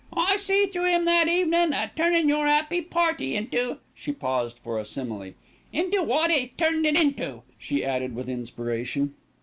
I see through 'im that evenin', a turnin' your 'appy party into " she paused for a simile "into wot 'e turned it into," she added with inspiration.